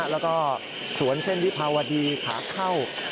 แล้วก็สวนเส้นวิภาวดีขาเข้า